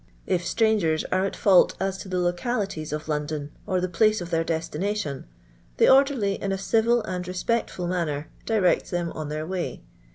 If strangers are at fault as to the localities of London, or the place of their destina tion, the orderly, in a civil and respectful manner, directs them on their way.